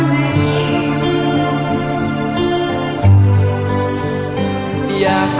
รัก